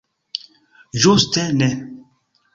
Ĝuste ne!